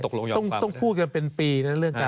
ต้องพูดกันเป็นปีนะเรื่องการ